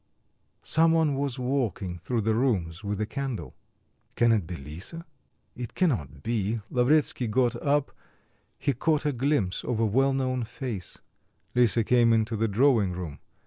Some one was walking through the rooms with a candle. "Can it be Lisa? It cannot be." Lavretsky got up.... He caught a glimpse of a well known face Lisa came into the drawing room.